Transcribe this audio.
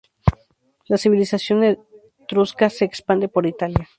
La civilización etrusca se expande por Italia.